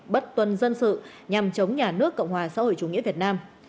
bất tuân dân sự nhằm chống nhà nước cộng hòa xã hội chủ nghĩa việt nam